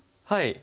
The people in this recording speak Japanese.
はい。